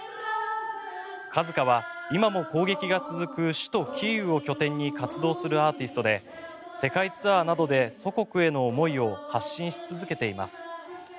ＫＡＺＫＡは、今も攻撃が続く首都キーウを中心に活動するアーティストで世界ツアーなどで祖国への思いを発信し続けています。